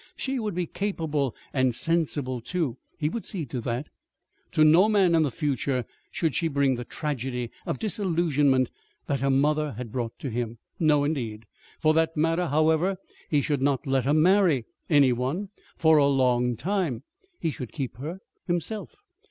She would be capable and sensible, too. He would see to that. To no man, in the future, should she bring the tragedy of disillusionment that her mother had brought to him. No, indeed! For that matter, however, he should not let her marry any one for a long time. He should keep her himself.